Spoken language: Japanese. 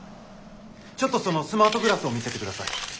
ちょっとそのスマートグラスを見せてください。